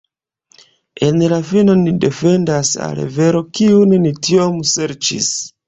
En la fino ni defendas al vero, kiun ni tiom serĉis.